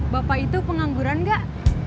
bapak itu pengangguran gak